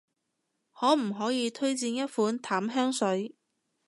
可唔可以推薦一款淡香水？